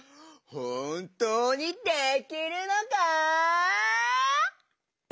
ほんとうにできるのか？